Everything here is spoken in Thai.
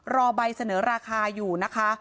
รอใบเสนอราคาอยู่นะคะ